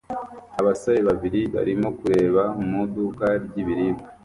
Abasore babiri barimo kureba mu iduka ry'ibiribwa